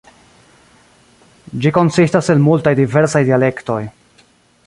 Ĝi konsistas el multaj diversaj dialektoj.